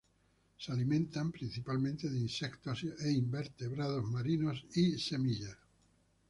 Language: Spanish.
Se alimentan principalmente de insectos, invertebrados marinos y semillas.